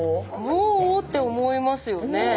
もうって思いますよね。